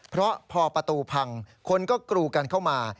เพราะพอประตูพังคนก็กรูกันเข้ามา